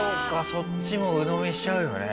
そっちも鵜呑みしちゃうよね。